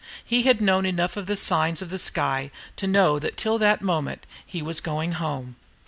He had known enough of the signs of the sky to know that till that moment he was going "home."